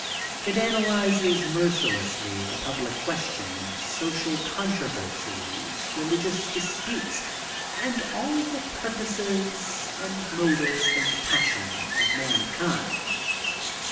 It analyzes mercilessly the public questions, social contro versies, religious dilutes and all of the purpose and motive and passions of mankind.